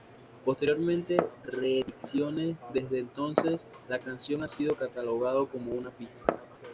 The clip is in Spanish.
Posteriormente reediciones desde entonces, la canción ha sido catalogado como una pista.